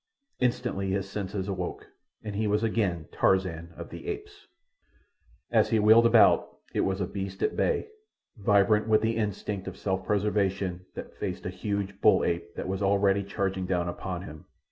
Instantly his senses awoke, and he was again Tarzan of the Apes. As he wheeled about, it was a beast at bay, vibrant with the instinct of self preservation, that faced a huge bull ape that was already charging down upon him.